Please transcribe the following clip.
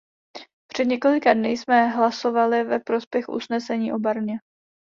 Před několika dny jsme hlasovali ve prospěch usnesení o Barmě.